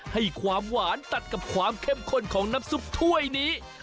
ให้ความหวานตัดกับความเข้มข้นของน้ำซุปถ้วยนี้